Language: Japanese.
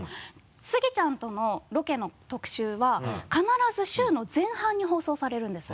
スギちゃんとのロケの特集は必ず週の前半に放送されるんです。